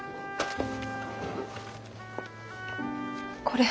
これ。